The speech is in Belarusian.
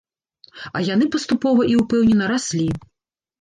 А яны паступова і ўпэўнена раслі.